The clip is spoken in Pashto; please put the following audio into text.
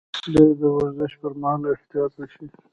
باید د ورزش پر مهال احتیاط وشي.